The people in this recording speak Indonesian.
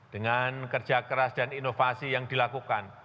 dengan kerja keras dan inovasi yang dilakukan